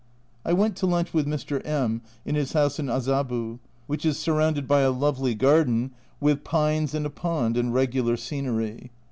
I went to lunch with Mr. Mj in his house in Azabu, which is surrounded by a lovely garden, with pines and a pond and regular scenery.